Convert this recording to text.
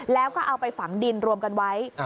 แล้วก็เอาไปฝังดินรวมกันไว้